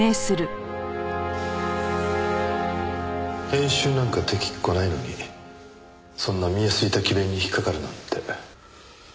編集なんか出来っこないのにそんな見え透いた詭弁に引っかかるなんて。